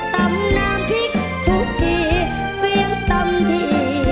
ตำน้ำพริกทุกทีเสียงตำที